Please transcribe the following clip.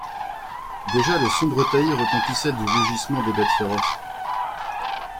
Déjà les sombres taillis retentissaient du rugissement des bêtes féroces...